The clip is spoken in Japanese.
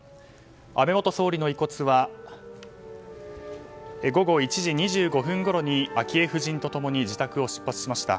安倍元総理の遺骨は午後１時２５分ごろに昭恵夫人と共に自宅を出発しました。